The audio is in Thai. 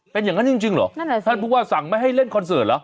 เป็นอย่างนั้นจริงเหรอนั่นแหละสิท่านผู้ว่าสั่งไม่ให้เล่นคอนเสิร์ตเหรอ